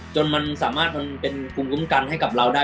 จนมันสามารถมันเป็นภูมิคุ้มกันให้กับเราได้